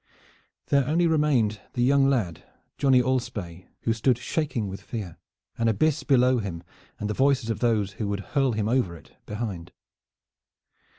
There only remained the young lad, Johnny Alspaye, who stood shaking with fear, an abyss below him, and the voices of those who would hurl him over it behind.